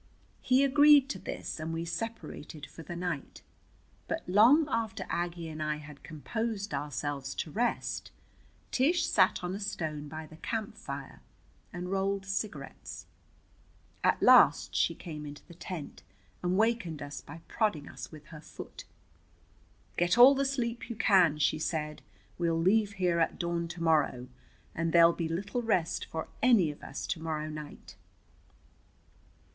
He agreed to this, and we separated for the night. But long after Aggie and I had composed ourselves to rest Tish sat on a stone by the camp fire and rolled cigarettes. At last she came into the tent and wakened us by prodding us with her foot. "Get all the sleep you can," she said. "We'll leave here at dawn to morrow, and there'll be little rest for any of us to morrow night."